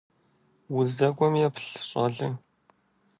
Уздэкӏуэм еплъ, щӏалэ!